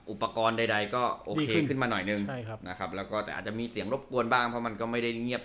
อุปกรณ์ใดก็โอเคขึ้นมาหน่อยนึงนะครับแล้วก็แต่อาจจะมีเสียงรบกวนบ้างเพราะมันก็ไม่ได้เงียบ